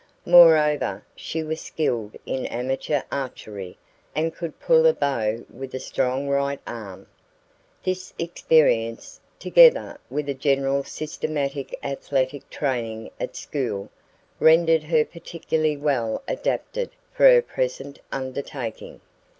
Moreover, she was skilled in amateur archery and could pull a bow with a strong right arm. This experience, together with a general systematic athletic training at school, rendered her particularly well adapted for her present undertaking.